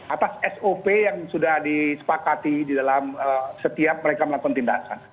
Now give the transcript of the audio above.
atas sop yang sudah disepakati di dalam setiap mereka melakukan tindakan